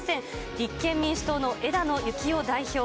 立憲民主党の枝野幸男代表。